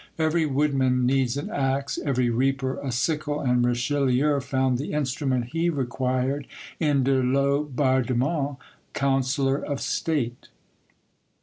Every woodman needs an axe, every reaper a sickle, and Richelieu found the instrument he required in de Laubardemont, Councillor of State.